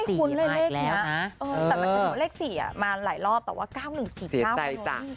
แต่มันคือเลข๔มาหลายรอบแต่ว่า๙๑๔๙ไม่รู้